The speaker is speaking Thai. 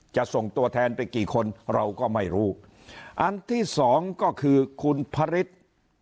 จะส่งตัวแทนไปกี่คนเราก็ไม่รู้อันที่สองก็คือคุณพระฤทธิ์